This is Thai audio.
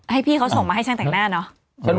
ให้พี่เขาส่งมาให้ช่างแต่งหน้าเนอะ